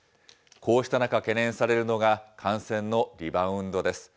こうした中、懸念されるのが感染のリバウンドです。